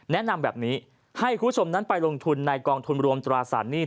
แนะนำแบบนี้ให้คุณผู้ชมนั้นไปลงทุนในกองทุนรวมตราสารหนี้